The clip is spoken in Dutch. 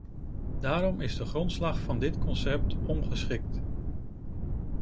Daarom is de grondslag van dit concept ongeschikt.